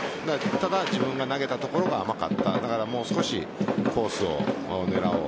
ただ自分が投げたところが甘かっただから、もう少しコースを狙おう